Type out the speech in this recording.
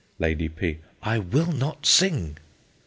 Lady P. I will not sing.